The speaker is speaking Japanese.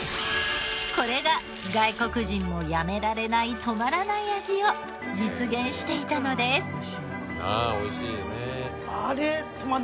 これが外国人もやめられないとまらない味を実現していたのです。